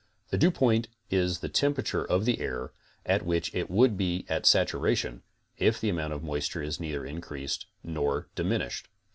The dewpoint is the temperature of the air, at which it would be at saturation, if the amount of moisture is neither increased nor deminished.